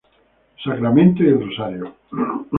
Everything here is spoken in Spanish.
Sacramento y el Rosario.